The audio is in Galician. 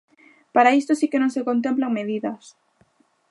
¡Para isto si que non se contemplan medidas!